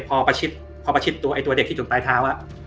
พออันตรายเข้ามาตัวเด็กคิดถึงตายเท้า